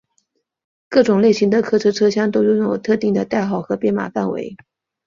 各种类型的客车车厢都拥有特定的代号和编码范围。